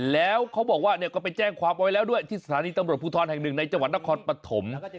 แล้วเขาบอกว่าเนี่ยก็ไปแจ้งความเอาไว้แล้วด้วยที่สถานีตำรวจภูทรแห่งหนึ่งในจังหวัดนครปฐม